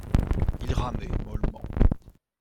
Il ramait mollement.